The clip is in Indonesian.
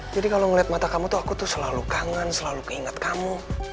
jadi kalo ngeliat mata kamu tuh aku selalu kangen selalu ingat kamu